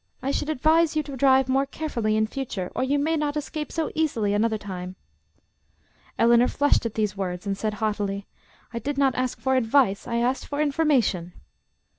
I should advise you to drive more carefully in future, or you may not escape so easily another time." Eleanor flushed at these words and said haughtily, "I did not ask for advice, I asked for information."